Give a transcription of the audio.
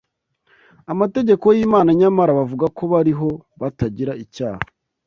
amategeko y’Imana nyamara bavuga ko bariho batagira icyaha,